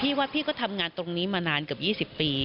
ว่าพี่ก็ทำงานตรงนี้มานานเกือบ๒๐ปี